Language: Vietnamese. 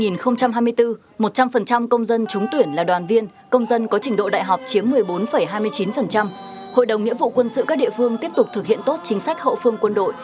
năm hai nghìn hai mươi bốn một trăm linh công dân trúng tuyển là đoàn viên công dân có trình độ đại học chiếm một mươi bốn hai mươi chín hội đồng nghĩa vụ quân sự các địa phương tiếp tục thực hiện tốt chính sách hậu phương quân đội